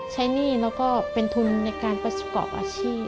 หนี้แล้วก็เป็นทุนในการประกอบอาชีพ